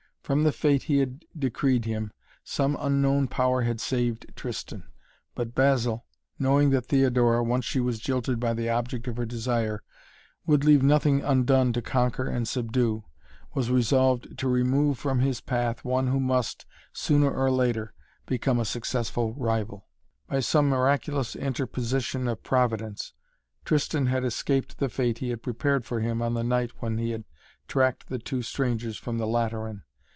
From the fate he had decreed him some unknown power had saved Tristan. But Basil, knowing that Theodora, once she was jilted by the object of her desire, would leave nothing undone to conquer and subdue, was resolved to remove from his path one who must, sooner or later, become a successful rival. By some miraculous interposition of Providence Tristan had escaped the fate he had prepared for him on the night when he had tracked the two strangers from the Lateran.